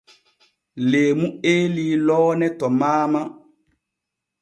Leemu eelii loone to maama.